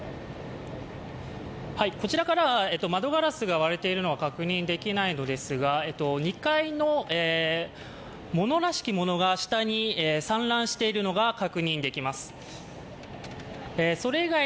こちらからは窓ガラスが割れているのは確認できないのですが２階の物らしきものが下に散乱しているのが確認できます。